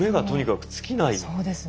そうですね。